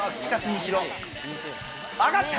揚がった！